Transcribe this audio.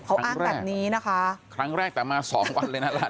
เขาอ้างแบบนี้นะคะครั้งแรกแต่มาสองวันเลยนั่นแหละ